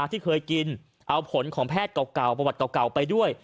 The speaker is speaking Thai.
ที่เคยกินเอาผลของแพทย์เก่าประวัติเก่าไปด้วย